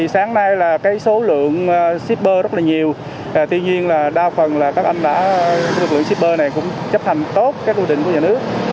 sáng nay là số lượng shipper rất là nhiều tuy nhiên là đa phần là các anh đã lực lượng shipper này cũng chấp hành tốt các quy định của nhà nước